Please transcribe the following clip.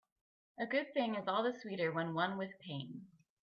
A good thing is all the sweeter when won with pain.